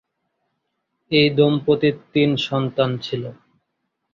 এই দম্পতির তিন সন্তান ছিল।